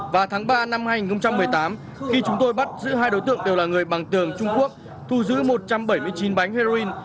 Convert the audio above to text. vào tháng ba năm hai nghìn một mươi tám khi chúng tôi bắt giữ hai đối tượng đều là người bằng tường trung quốc thu giữ một trăm bảy mươi chín bánh heroin